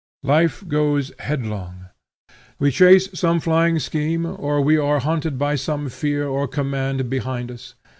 Life goes headlong. We chase some flying scheme, or we are hunted by some fear or command behind us.